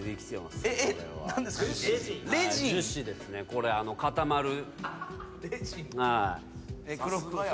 これあの固まる。